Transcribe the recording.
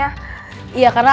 aku pikir aku gak ada kerjanya